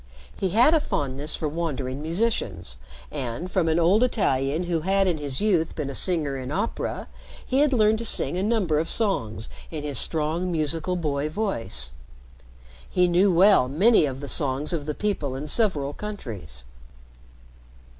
He had a fondness for wandering musicians, and, from an old Italian who had in his youth been a singer in opera, he had learned to sing a number of songs in his strong, musical boy voice. He knew well many of the songs of the people in several countries.